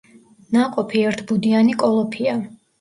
ნაყოფი ერთბუდიანი კოლოფია.